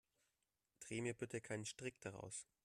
Dreh mir bitte keinen Strick daraus.